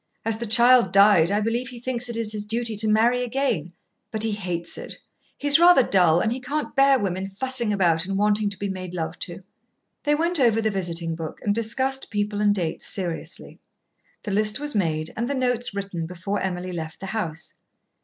As the child died, I believe he thinks it his duty to marry again. But he hates it. He's rather dull, and he can't bear women fussing about and wanting to be made love to." They went over the visiting book and discussed people and dates seriously. The list was made and the notes written before Emily left the house.